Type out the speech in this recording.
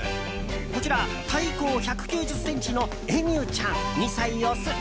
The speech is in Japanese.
こちら、体長１９０ｃｍのエミューちゃん、２歳、オス。